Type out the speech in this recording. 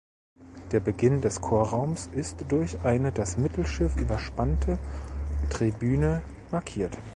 Der Beginn des Chorraums ist durch eine das Mittelschiff überspannte Tribüne markiert.